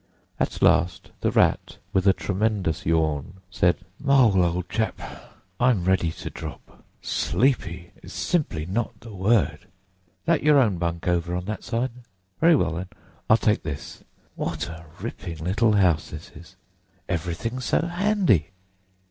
At last the Rat, with a tremendous yawn, said, "Mole, old chap, I'm ready to drop. Sleepy is simply not the word. That your own bunk over on that side? Very well, then, I'll take this. What a ripping little house this is! Everything so handy!"